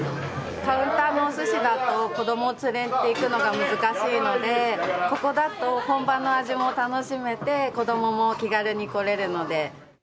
カウンターのおすしだと、子どもを連れていくのが難しいので、ここだと本場の味も楽しめて、子どもも気軽に来れるので。